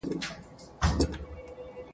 چي منزل له ټولو ورک وي کومي لاري ته سمیږو ..